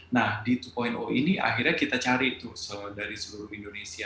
nah di dua ini akhirnya kita cari tuh dari seluruh indonesia